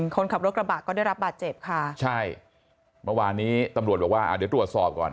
คนขับรถกระบะก็ได้รับบาดเจ็บค่ะใช่เมื่อวานนี้ตำรวจบอกว่าอ่าเดี๋ยวตรวจสอบก่อน